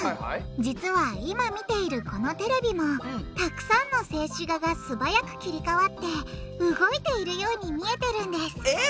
実は今見ているこのテレビもたくさんの静止画が素早く切り替わって動いているように見えてるんですえっ！？